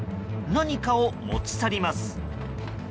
何かを持ち去ります。